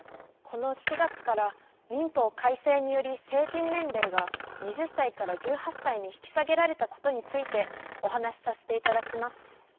この４月から民法改正により成人年齢が２０歳から１８歳に引き下げられたことについてお話しさせていただきます。